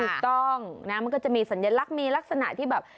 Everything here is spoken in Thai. ถูกต้องนะมันก็จะมีสัญลักษณ์มีลักษณะที่แบบ